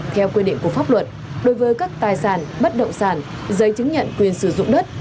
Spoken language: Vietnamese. theo quy định của pháp luật đối với các tài sản bất động sản giấy chứng nhận quyền sử dụng đất